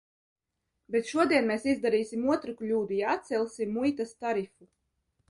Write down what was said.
Bet šodien mēs izdarīsim otru kļūdu, ja atcelsim muitas tarifu.